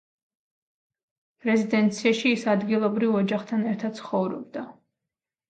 რეზიდენციაში ის ადგილობრივ ოჯახთან ერთად ცხოვრობდა.